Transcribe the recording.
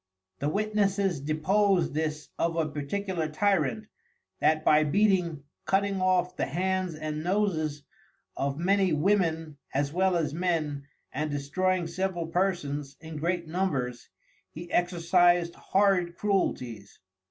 The Witnesses depose this of a particular Tyrant, that by beating, cutting off the Hands and Noses of many Women as well as Men, and destroying several persons in great numbers, he exercised horrid Cruelties.